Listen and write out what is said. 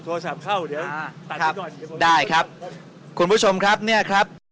โทรศัพท์เข้าเดี๋ยวอ่าครับได้ครับคุณผู้ชมครับเนี่ยครับ